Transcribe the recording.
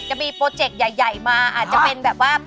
จะมีโปรเจกต์ใหญ่มาอาจจะเป็นแบบว่า